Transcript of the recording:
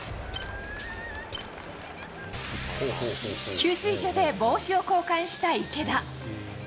給水所で帽子を交換した池田。